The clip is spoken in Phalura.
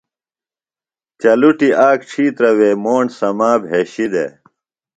چلُٹیۡ آک ڇھیترہ وےۡ موݨ سما بھشی دےۡ۔